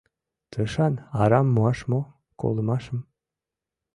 Тышан арам муаш мо колымашым?